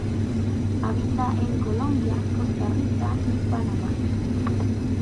Habita en Colombia, Costa Rica y Panamá.